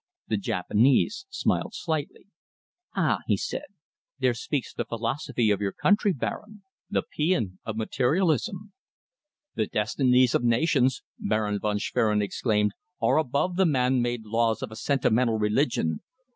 The Japanese smiled slightly. "Ah!" he said, "there speaks the philosophy of your country, Baron, the paean of materialism." "The destinies of nations," Baron von Schwerin exclaimed, "are above the man made laws of a sentimental religion!